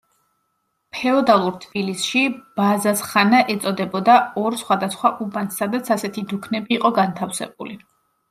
ფეოდალურ თბილისში ბაზაზხანა ეწოდებოდა ორ სხვადასხვა უბანს, სადაც ასეთი დუქნები იყო განთავსებული.